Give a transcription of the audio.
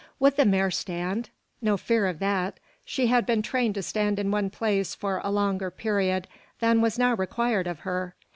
Would the mare stand? No fear of that. She had been trained to stand in one place for a longer period than was now required of her.